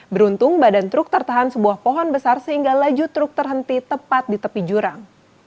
beruntung badan truk tertahan sebuah pohon besar sehingga laju truk terhenti tepat di tepi jurang